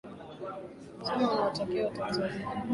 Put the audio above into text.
sema unawatakia watanzania kila la heri